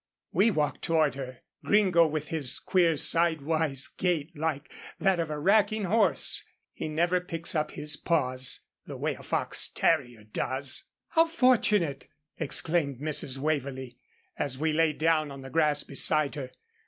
We walked toward her, Gringo with his queer sidewise gait like that of a racking horse. He never picks up his paws, the way a fox terrier does. "How fortunate," exclaimed Mrs. Waverlee, as we lay down on the grass beside her.